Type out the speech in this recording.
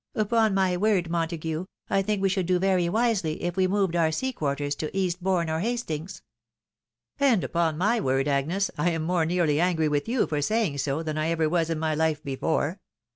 Upon my word, Montague, I think we should do very wisely if we moved our sea quarters to East Bourne or Hastings." " And upon my word, Agnes, I am more nearly angry with you for saying so, than I ever was in my life before.